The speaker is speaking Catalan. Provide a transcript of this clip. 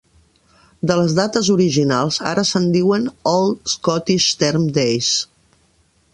De les dates originals ara se'n diuen "Old Scottish Term Days".